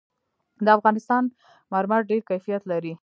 د افغانستان مرمر ډېر کیفیت لري.